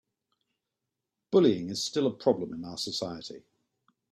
Bullying is still a problem in our society.